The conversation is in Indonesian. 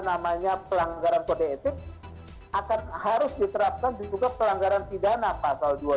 namanya pelanggaran kode etik akan harus diterapkan di juga pelanggaran kode etik yang harus ditelanjurkan